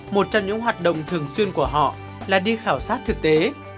một trong những hoạt động thường xuyên của họ là đi khảo sát thực tế